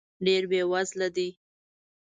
ډېر بې وزله دی .